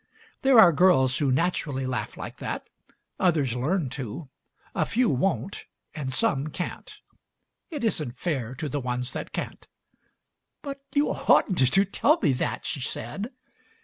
There are girls who naturally laugh like that; others learn to; a few won't, and some can't. It isn't fair to the ones that can't. "But you oughtn't to tell me that/' she said.